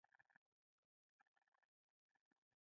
د مالګو او تیزابو تعامل نوي مالګې او تیزابونه جوړوي.